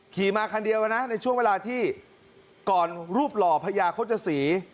ขี่มาคันเดียวนะในช่วงเวลาที่ก่อนรูปหล่อพญาโฆษศรี